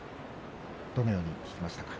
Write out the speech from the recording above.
どのように聞きましたか。